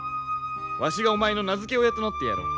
わしがお前の名付け親となってやろう。